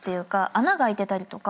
穴が開いてたりとか。